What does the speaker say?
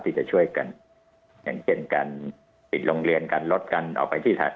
ที่จะช่วยกันอย่างเช่นการปิดโรงเรียนกันลดกันออกไปที่ฐาน